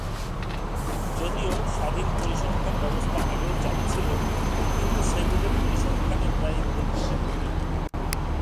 যদিও স্বাধীন পরিসংখ্যান ব্যবস্থা আগেও চালু ছিল, কিন্তু সেগুলোর পরিসংখ্যানে প্রায়ই ভুল-ত্রুটি পরিলক্ষিত হত।